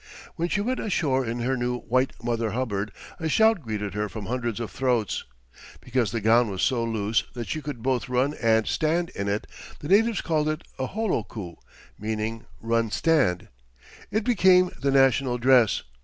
When she went ashore in her new white mother hubbard, a shout greeted her from hundreds of throats! Because the gown was so loose that she could both run and stand in it, the natives called it a holoku, meaning "run stand." It became the national dress.